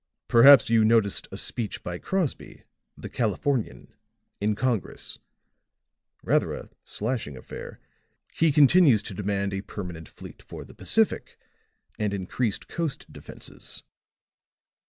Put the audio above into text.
"Perhaps you noticed a speech by Crosby, the Californian, in Congress. Rather a slashing affair. He continues to demand a permanent fleet for the Pacific and increased coast defenses."